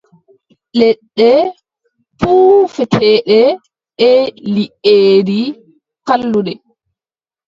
Leɗɗe puufeteeɗe e liʼeeji, kalluɗe.